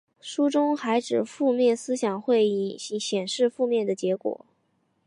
书中还指负面思想会显示负面的结果。